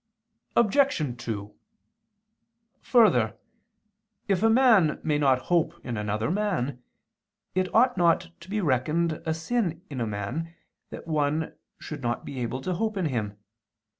Obj. 2: Further, if a man may not hope in another man, it ought not to be reckoned a sin in a man, that one should not be able to hope in him.